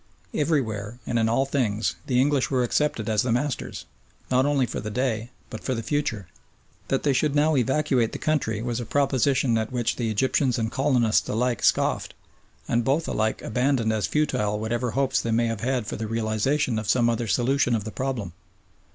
Everywhere and in all things the English were accepted as the masters, not only for the day but for the future. That they should now evacuate the country was a proposition at which the Egyptians and colonists alike scoffed, and both alike abandoned as futile whatever hopes they may have had for the realisation of some other solution of the problem.